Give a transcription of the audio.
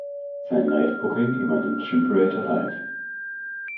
Sein Livebooking übernimmt Chimperator Live.